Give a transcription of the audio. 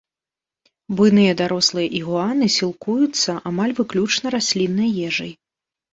Буйныя дарослыя ігуаны сілкуюцца амаль выключна расліннай ежай.